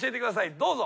どうぞ。